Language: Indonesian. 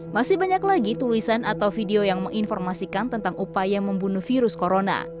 masih banyak lagi tulisan atau video yang menginformasikan tentang upaya membunuh virus corona